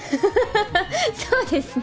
そうですね。